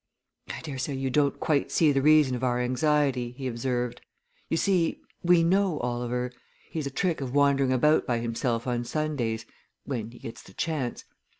"I daresay you don't quite see the reason of our anxiety," he observed. "You see, we know Oliver. He's a trick of wandering about by himself on Sundays when he gets the chance.